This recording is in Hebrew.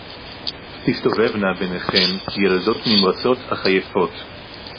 תִּסְתּוֹבֵבְנָה בֵּינֵיכֶן יַלְדוּת נִמְרָצוֹת אַךְ עֲיֵפוּת